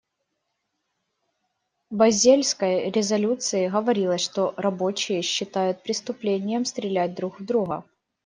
В базельской резолюции говорилось, что рабочие считают преступлением стрелять друг в друга.